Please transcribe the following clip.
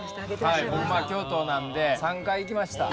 はい僕京都なので３回行きました。